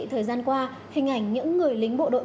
thời gian qua hình ảnh những người lính bộ đội